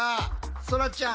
そらちゃん。